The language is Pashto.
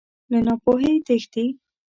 له ناپوهۍ تښتې.